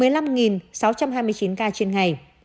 một mươi năm sáu trăm hai mươi chín ca trên ngày